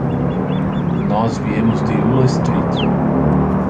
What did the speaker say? Nós viemos de Ullastret.